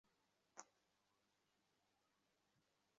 মেয়ে হলে মিরিয়ালা কিংবা রিম নাম রাখবেন বলেও ঠিক করে করেছেন।